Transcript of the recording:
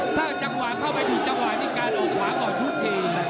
ถ้าจังหวะเข้าไปถูกจังหวะนี่การออกขวาก่อนทุกที